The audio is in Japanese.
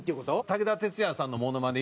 武田鉄矢さんのモノマネ